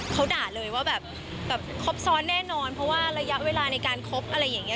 เขาด่าเลยว่าแบบครบซ้อนแน่นอนเพราะว่าระยะเวลาในการคบอะไรอย่างนี้